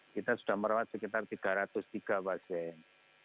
kita sudah merawat sekitar tiga ratus tiga pasien